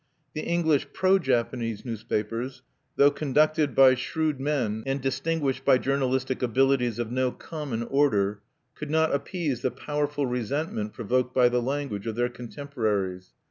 The English "pro Japanese" newspapers, though conducted by shrewd men, and distinguished by journalistic abilities of no common order, could not appease the powerful resentment provoked by the language of their contemporaries.